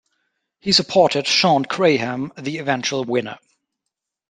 He supported Shawn Graham, the eventual winner.